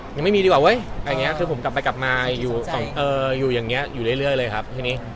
ยังไม่มีดีกว่าเว้ยอย่างนี้คือผมกลับไปกลับมาอยู่อย่างนี้อยู่เรื่อยเลยครับทีนี้